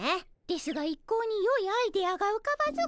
ですが一向によいアイデアがうかばず。